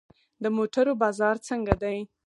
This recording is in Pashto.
د موټرو بازار څنګه دی؟